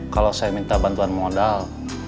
kalau saya minta bantuan modal